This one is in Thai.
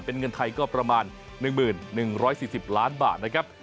เป็นเงินไทยก็ประมาณ๑๑๔๐ล้านบาทนะครับ